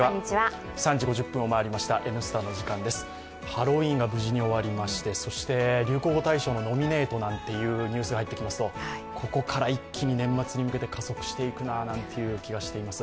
ハロウィーンが無事に終わりまして、流行語大賞のノミネートなんてニュースが入ってきますと、ここら一気に年末に向けて加速していくななんていう気がしています。